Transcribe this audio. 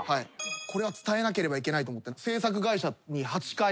これは伝えなければいけないと思って。